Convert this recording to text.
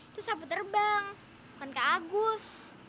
itu sapu terbang bukan kak agus